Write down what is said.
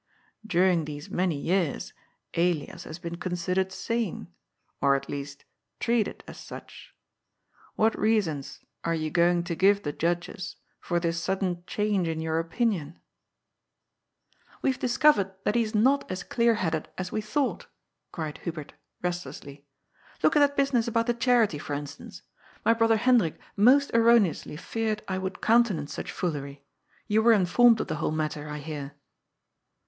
During these many years Elias has been considered sane, or at least treated as such. What reasons are you going to give the Judges for this sudden change in your opinion ?" "We have discovered that he is not as clear headed as we thought," cried Hubert restlessly. "Look at that business about the Charity, for instance. My brother Hendrik most erroneously feared I would countenance such foolery. You were informed of the whole matter, I hear."